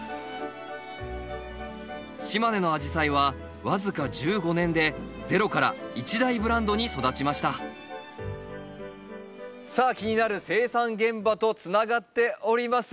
島根のアジサイは僅か１５年でゼロから一大ブランドに育ちましたさあ気になる生産現場とつながっております。